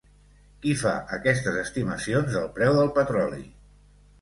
Qui fa aquestes estimacions del preu del petroli?